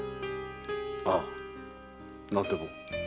ああ何でも。